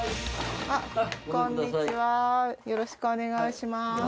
よろしくお願いします。